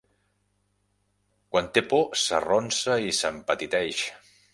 Quan té por s'arronsa i s'empetiteix.